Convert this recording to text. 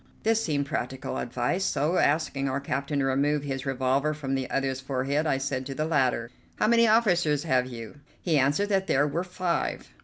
This seemed practical advice, so, asking our captain to remove his revolver from the other's forehead, I said to the latter: "How many officers have you?" He answered that there were five.